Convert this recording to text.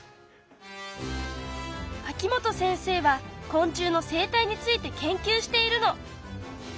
秋元先生は昆虫の生態について研究しているの。